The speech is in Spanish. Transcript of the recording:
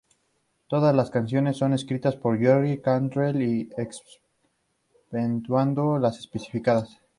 Todas las canciones son escritas por Jerry Cantrell, exceptuando las especificadas.